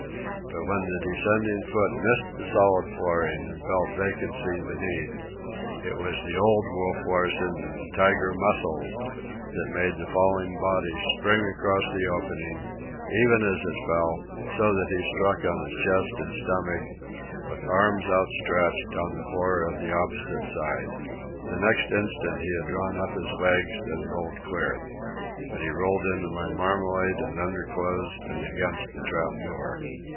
But when the descending foot missed the solid flooring and felt vacancy beneath, it was the old Wolf Larsen and the tiger muscles that made the falling body spring across the opening, even as it fell, so that he struck on his chest and stomach, with arms outstretched, on the floor of the opposite side. The next instant he had drawn up his legs and rolled clear. But he rolled into my marmalade and underclothes and against the trap door.